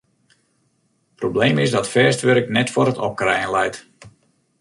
Probleem is dat fêst wurk net foar it opkrijen leit.